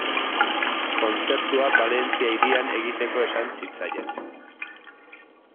Kontzertua Valentzia hirian egiteko esan zitzaien.